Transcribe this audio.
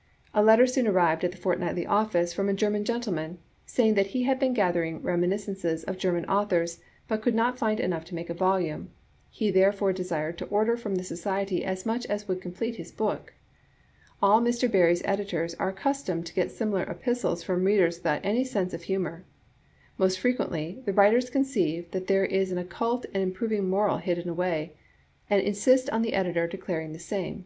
*" (15 I ) A letter soon arrived at the Fortnightly office from a German gentleman, saying that he had been gathering reminiscences of German authors, but could not find enough to make a volume; he therefore desired to or der from the society as much as would complete his book. All Mr. Barrie's editors are accustomed to get similar epistles from readers without any sense of hu mor. Most frequently the writers conceive that there is an occult and improving moral hidden away, and insist on the editor declaring the same.